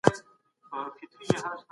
بېکاري د شیطان کار دی.